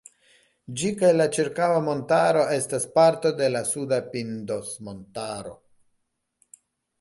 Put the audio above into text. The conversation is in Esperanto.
Ĝi kaj la ĉirkaŭa montaro estas parto de la suda "Pindos"-montaro.